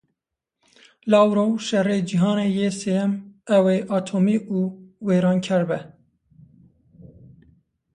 Lavrov; şerê cîhanê yê sêyem ew ê atomî û wêranker be.